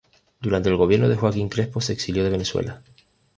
Durante el gobierno de Joaquín Crespo se exilió de Venezuela.